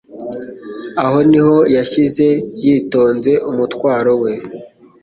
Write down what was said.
Aho niho yashyize yitonze umutwaro we